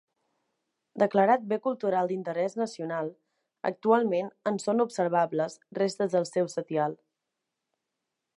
Declarat bé cultural d'interès nacional, actualment en són observables restes del seu setial.